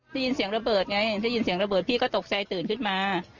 ได้ยินเสียงระเบิดไงเห็นได้ยินเสียงระเบิดพี่ก็ตกใจตื่นขึ้นมา